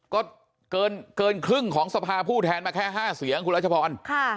ก็เกินครึ่งของสภาผู้แทนมาแค่๕เสียงคุณรัชพร